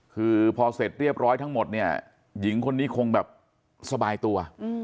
คือพอเสร็จเรียบร้อยทั้งหมดเนี่ยหญิงคนนี้คงแบบสบายตัว